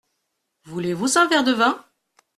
Voulez-vous un verre de vin ?